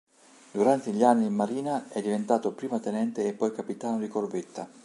Durante gli anni in marina è diventato prima tenente e poi capitano di corvetta.